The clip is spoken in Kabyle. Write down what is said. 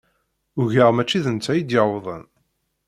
Ugaɣ mačči d netta i d-yewwḍen.